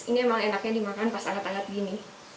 ini emang enaknya dimakan pas anget anget gini